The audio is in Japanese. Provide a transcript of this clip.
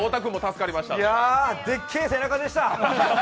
でっけー背中でした。